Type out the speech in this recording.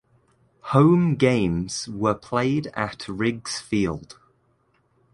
Home games were played at Riggs Field.